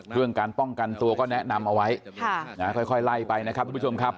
เรื่องการป้องกันตัวก็แนะนำเอาไว้ค่อยไล่ไปนะครับทุกผู้ชมครับ